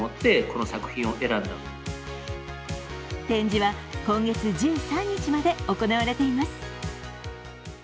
展示は今月１３日まで行われています。